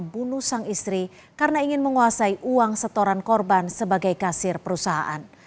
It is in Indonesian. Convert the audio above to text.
dan membuat pelaku membunuh sang istri karena ingin menguasai uang setoran korban sebagai kasir perusahaan